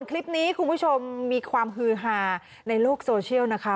คลิปนี้คุณผู้ชมมีความฮือฮาในโลกโซเชียลนะคะ